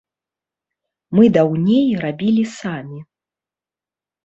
Мы даўней рабілі самі.